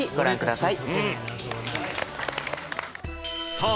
さあ